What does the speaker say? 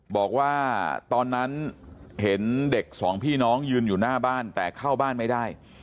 บอกว่าตอนนั้นเห็นเด็กสองพี่น้องยืนอยู่หน้าบ้านแต่เข้าบ้านไม่ได้